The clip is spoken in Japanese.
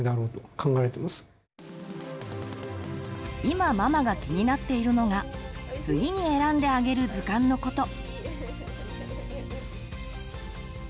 今ママが気になっているのが次に選んであげる図鑑のこと。